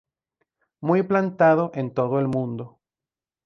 Muy plantado en todo el mundo.